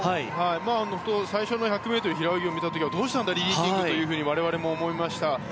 最初の１００ｍ平泳ぎを見た時はどうしたんだリリー・キングと我々も思いました。